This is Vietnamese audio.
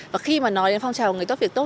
và khi mà nói đến phong trào người tốt việc tốt